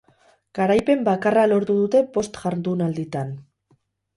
Garaipen bakarra lortu dute bost jardunalditan.